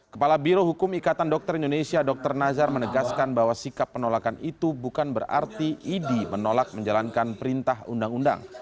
kepala biro hukum ikatan dokter indonesia dr nazar menegaskan bahwa sikap penolakan itu bukan berarti idi menolak menjalankan perintah undang undang